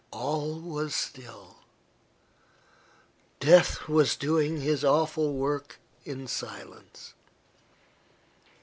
All was still. Death was doing his awful work in silence.